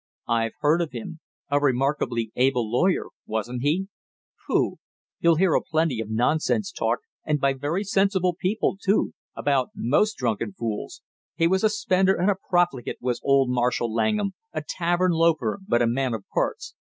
"I've heard of him; a remarkably able lawyer, wasn't he?" "Pooh! You'll hear a plenty of nonsense talked, and by very sensible people, too, about most drunken fools! He was a spender and a profligate, was old Marshall Langham; a tavern loafer, but a man of parts.